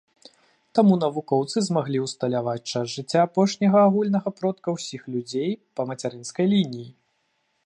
Таму навукоўцы змаглі ўсталяваць час жыцця апошняга агульнага продка ўсіх людзей па мацярынскай лініі.